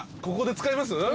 ここで使います？